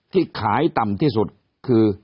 ที่ขายต่ำที่สุดคือ